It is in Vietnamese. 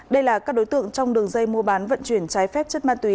đây là các đối tượng trong đường dây mua bán vận chuyển trái phép chất ma túy